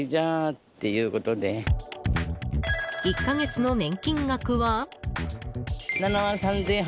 １か月の年金額は？